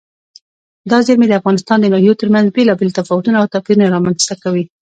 دا زیرمې د افغانستان د ناحیو ترمنځ بېلابېل تفاوتونه او توپیرونه رامنځ ته کوي.